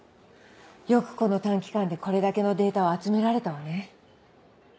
よくこの短期間でこれだけのデータを集められたわね。